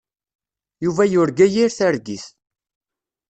Yuba yurga yir targit.